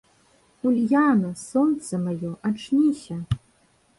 Ульяна, сонца маё, ачніся!